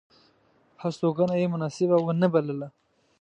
هستوګنه یې مناسبه ونه بلله.